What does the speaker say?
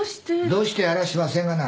どうしてやあらしませんがな。